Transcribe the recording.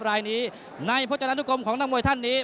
รายนี้ในพจนานุกรมของนักมวยท่านนี้